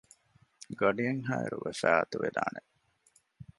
ގަޑިއެއްހާއިރުވެފައި އަތުވެދާނެ